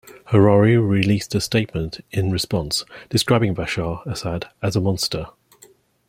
Hariri released a statement in response, describing Bashar Assad as a "monster".